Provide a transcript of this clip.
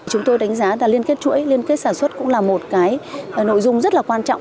chúng tôi đánh giá là liên kết chuỗi liên kết sản xuất cũng là một cái nội dung rất là quan trọng